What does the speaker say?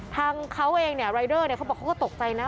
ทางเขาเองเนี่ยรายเดอร์เขาบอกเขาก็ตกใจนะ